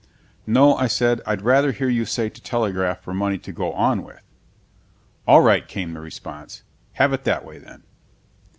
"No," I said, "I'd rather hear you say to telegraph for money to go on with." "All right," came the response, "have it that way, then."